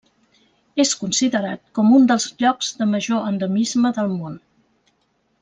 És considerat com un dels llocs de major endemisme del món.